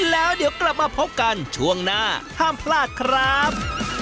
แล้วเดี๋ยวกลับมาพบกันช่วงหน้าห้ามพลาดครับ